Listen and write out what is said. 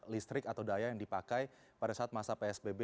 listrik atau daya yang dipakai pada saat masa psbb